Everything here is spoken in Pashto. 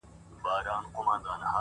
هڅاند ذهن د خنډونو بندیوان نه وي.!